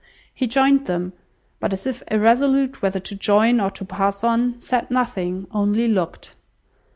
He joined them; but, as if irresolute whether to join or to pass on, said nothing, only looked.